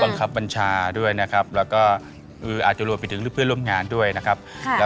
เห็นคำบรรชาด้วยนะครับแล้วก็อาจทรวจไปถึงรูปเพื่อนร่มงานด้วยนะครับ